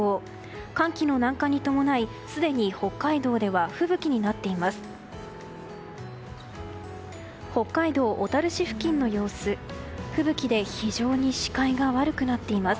寒気の南下に伴いすでに北海道では吹雪になっています。